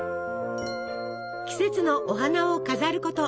季節のお花を飾ること。